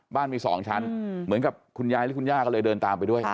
บ้านมี๒ชั้นเหมือนกับคุณยายหรือคุณย่าก็เลยเดินตามไปด้วย